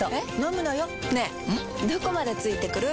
どこまで付いてくる？